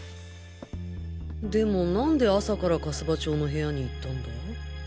でも何で朝から粕場町の部屋に行ったんだ？